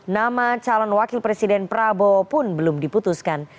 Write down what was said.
nama calon wakil presiden prabowo pun belum diputuskan